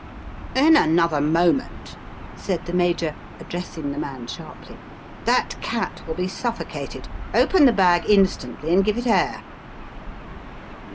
"In another moment," said the Major, addressing the man sharply, "that cat will be suffocated. Open the bag instantly and give it air!"